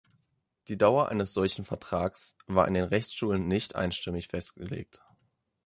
Die Dauer eines solchen Vertrags war in den Rechtsschulen nicht einstimmig festgelegt.